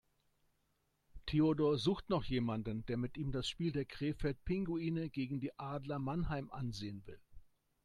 Theodor sucht noch jemanden, der mit ihm das Spiel der Krefeld Pinguine gegen die Adler Mannheim ansehen will.